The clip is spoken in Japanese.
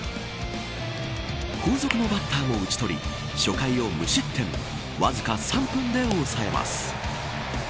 後続のバッターも打ち取り初回を無失点わずか３分で抑えます。